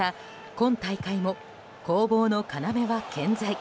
今大会も攻防の要は健在。